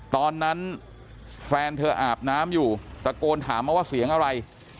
ตอนนั้นแฟนเธออาบน้ำอยู่ตะโกนถามมาว่าเสียงอะไร